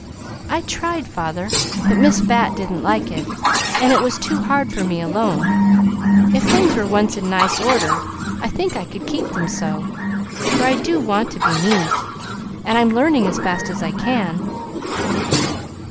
"I tried, father, but Miss Bat didn't like it, and it was too hard for me alone. If things were once in nice order, I think I could keep them so; for I do want to be neat, and I'm learning as fast as I can."